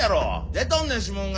出とんねん指紋が！